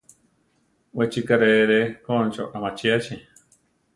We chi karee re Koncho amachíachi.